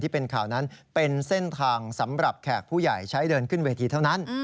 เป็นเส้นทางสำหรับแขกผู้ใหญ่ใช้เดินขึ้นเวทีเท่านั้น